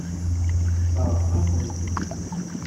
Sseṛɣeɣ-akent-t.